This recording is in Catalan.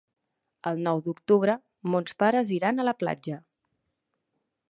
El nou d'octubre mons pares iran a la platja.